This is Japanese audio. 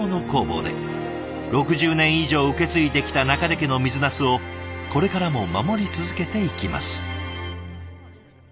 ６０年以上受け継いできた中出家の水なすをこれからも守り続けていきます。